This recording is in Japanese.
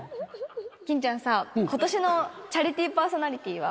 欽ちゃんさあ、ことしのチャリティーパーソナリティーは。